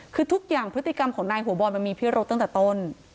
คือทุกอย่างพฤติกรรมของนายหัวบอลมันมีพิรุษตั้งแต่ต้น